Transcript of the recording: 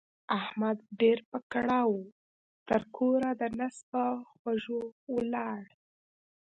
احمد ډېر په کړاو وو؛ تر کوره د نس په خوږو ولاړ.